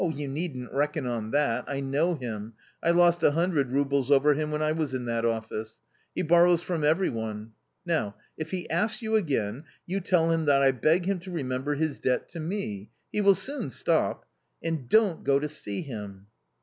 "You needn't reckon on that ! I know him ; I lost 100 roubles over him when I was in that office. He borrows from every one. Now, if he asks you again, you tell him that I beg him to remember his debt to me — he will soon stop ! and don't go to see him."